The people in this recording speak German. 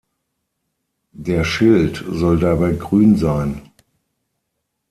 Der Schild soll dabei grün sein.